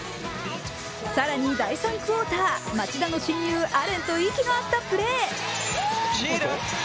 更に第３クオーター、町田の親友アレンと息の合ったプレー。